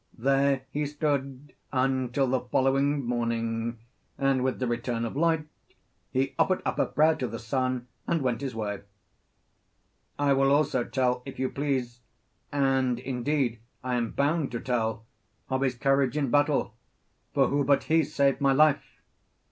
There he stood until the following morning; and with the return of light he offered up a prayer to the sun, and went his way (compare supra). I will also tell, if you please and indeed I am bound to tell of his courage in battle; for who but he saved my life?